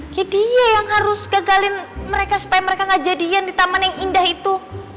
jadinya yang harus gagalin mereka supaya mereka gak jadian di taman yang indah itu